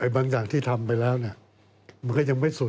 บางอย่างที่ทำไปแล้วมันก็ยังไม่สุด